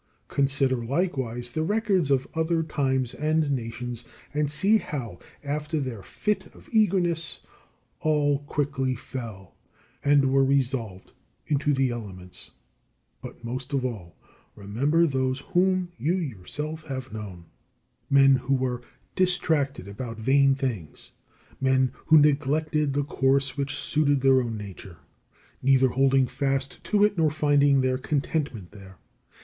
Consider, likewise, the records of other times and nations, and see how, after their fit of eagerness, all quickly fell, and were resolved into the elements. But most of all, remember those whom you yourself have known, men who were distracted about vain things, men who neglected the course which suited their own nature, neither holding fast to it nor finding their contentment there.